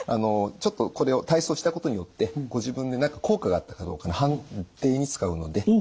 ちょっとこれを体操したことによってご自分で何か効果があったかどうかの判定に使うので。